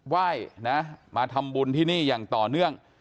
ไหว้นะมาทำบุญที่นี่อย่างต่อเนื่อง